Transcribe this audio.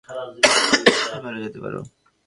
আবারো যেতে পারো।